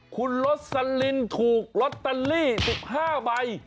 คุณโรสลินถูกลอตเตอรี่๑๕ใบ